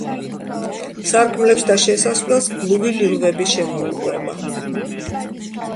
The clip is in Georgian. სარკმლებს და შესასვლელს გლუვი ლილვები შემოუყვება.